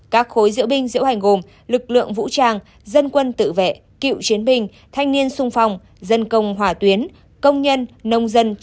các khối diễu binh diễu hành gồm lực lượng vũ trang dân quân tự vệ cựu chiến binh thanh niên sung phong dân công hỏa tuyến công nhân nông dân